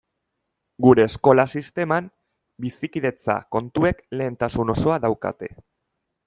Gure eskola sisteman bizikidetza kontuek lehentasun osoa daukate.